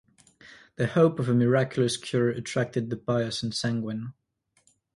The hope of a miraculous cure attracted the pious and sanguine.